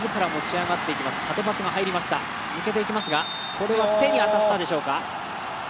これは手に当たったでしょうか。